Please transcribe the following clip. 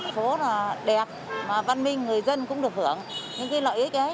phố là đẹp mà văn minh người dân cũng được hưởng những cái lợi ích ấy